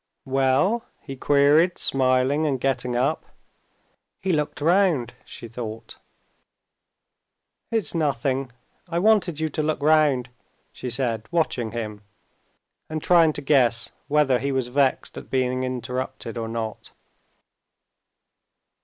"Well?" he queried, smiling, and getting up. "He looked round," she thought. "It's nothing; I wanted you to look round," she said, watching him, and trying to guess whether he was vexed at being interrupted or not.